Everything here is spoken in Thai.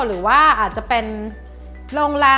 หรือว่าอาจจะเป็นโรงแรม